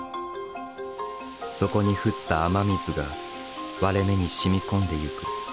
そこに降った雨水が割れ目に染み込んでいく。